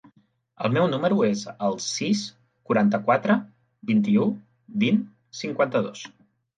El meu número es el sis, quaranta-quatre, vint-i-u, vint, cinquanta-dos.